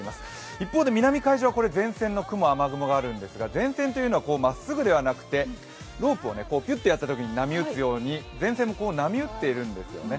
一方で南海上は前線の雲、雨雲があるんですが、前線というのはまっすぐではなく、ロープをピュッとやったときに波打つように、前線も波打っているんですよね。